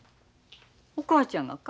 お母ちゃんがか？